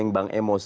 anda boleh terus